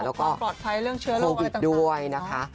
แล้วก็โควิดด้วยนะคะ